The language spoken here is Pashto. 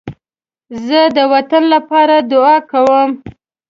زه د وطن لپاره دعا کوم